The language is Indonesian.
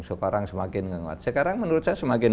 sekarang semakin menguat sekarang menurut saya semakin